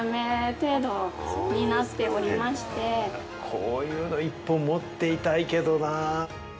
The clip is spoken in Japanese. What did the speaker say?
こういうのを１本、持っていたいけどな。